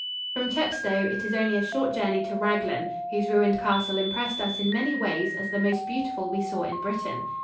] From Chepstow it is only a short journey to Raglan, whose ruined castle impressed us in many ways as the most beautiful we saw in Britain.